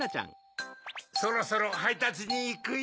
そろそろはいたつにいくよ。